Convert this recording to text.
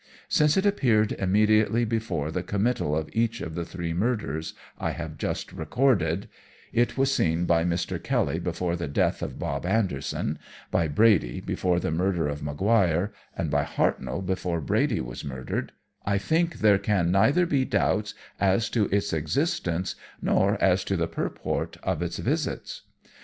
Since it appeared immediately before the committal of each of the three murders I have just recorded (it was seen by Mr. Kelly before the death of Bob Anderson; by Brady, before the murder of Maguire; and by Hartnoll, before Brady was murdered), I think there can neither be doubts as to its existence nor as to the purport of its visits.